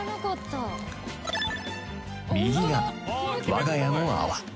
右がわが家の泡